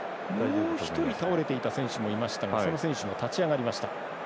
もう１人倒れていた選手もいましたがその選手も立ち上がりました。